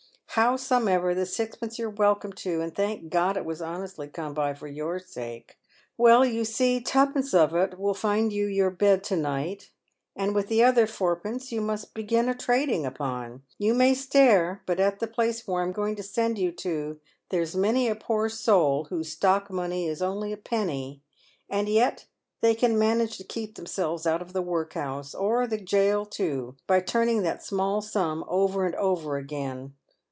Howsomever, the sixpence you're welcome to, and thank Grod it was honestly come by for your sake. Well, you see, twopence of it will find your bed to night, and with the other fourpence you must begin a trading upon. You may stare, but at the place where 72 PAYED WITH GOLD. I'm going to send you to, there's many a poor soul whose stock money is only a penny, and yet they can manage to keep them selves out of the workhouse, or the gaol too, by turning that small sum over and over again.